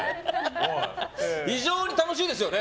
異常に楽しいですよね。